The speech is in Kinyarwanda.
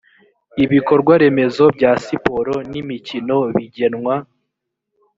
ibikorwaremezo bya siporo n imikino bigenwa